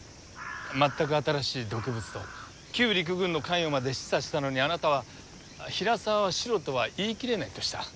全く新しい毒物と旧陸軍の関与まで示唆したのにあなたは「平沢はシロとは言い切れない」とした。